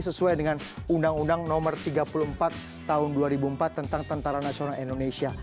sesuai dengan undang undang nomor tiga puluh empat tahun dua ribu empat tentang tentara nasional indonesia